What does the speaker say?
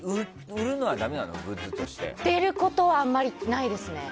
売ってることはあまりないですね。